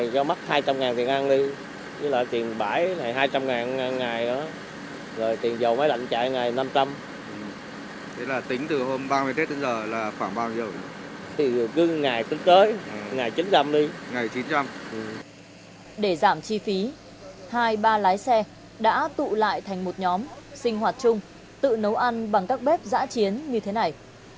để giảm chi phí hai ba lái xe đã tụ lại thành một nhóm sinh hoạt chung tự nấu ăn bằng các bếp giã chiến như thế này